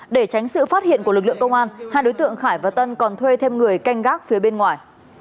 để tránh sự phát hiện của lực lượng công an hai đối tượng khải và tân còn thuê thêm người canh gác phía bên ngoài